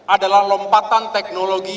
adalah lompatan teknologi